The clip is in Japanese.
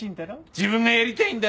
自分がやりたいんだろ？